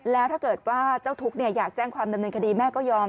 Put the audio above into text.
แล้วถ้าเกิดว่าเจ้าทุกข์อยากแจ้งความดำเนินคดีแม่ก็ยอม